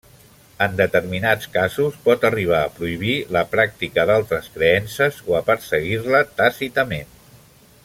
En determinats casos pot arribar a prohibir la pràctica d'altres creences o a perseguir-la tàcitament.